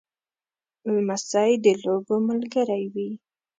لمسی د لوبو ملګری وي.